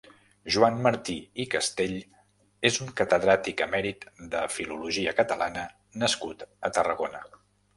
Joan Martí i Castell és un catedràtic emèrit de Filologia Catalana nascut a Tarragona.